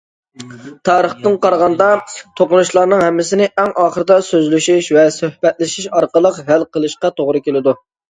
تارىختىن قارىغاندا، توقۇنۇشلارنىڭ ھەممىسىنى ئەڭ ئاخىرىدا سۆزلىشىش ۋە سۆھبەتلىشىش ئارقىلىق ھەل قىلىشقا توغرا كېلىدۇ.